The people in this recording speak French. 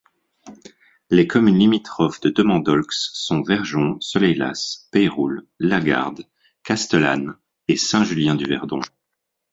Les communes limitrophes de Demandolx sont Vergons, Soleilhas, Peyroules, La Garde, Castellane et Saint-Julien-du-Verdon.